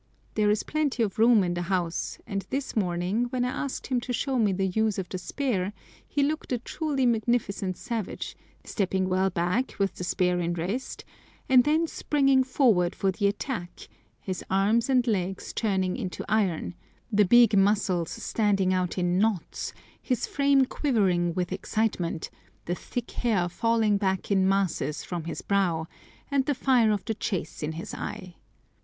There is plenty of room in the house, and this morning, when I asked him to show me the use of the spear, he looked a truly magnificent savage, stepping well back with the spear in rest, and then springing forward for the attack, his arms and legs turning into iron, the big muscles standing out in knots, his frame quivering with excitement, the thick hair falling back in masses from his brow, and the fire of the chase in his eye.